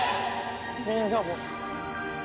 みんなも。